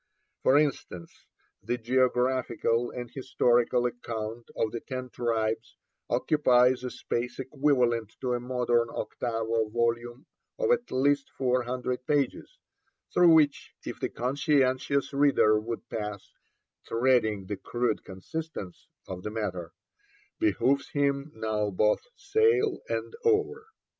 For instance, the geographical and historical account of the Ten Tribes occupies a space equivalent to a modern octavo volume of at least four hundred pages, through which, if the conscientious reader would pass 'treading the crude consistence' of the matter, 'behoves him now both sail and oar.'